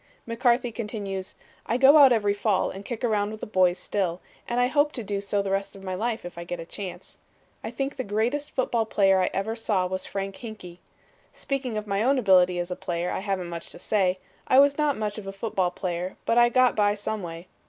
McCarthy continues, "I go out every fall and kick around with the boys still and I hope to do so the rest of my life if I get a chance. I think the greatest football player I ever saw was Frank Hinkey. Speaking of my own ability as a player, I haven't much to say. I was not much of a football player but I got by some way.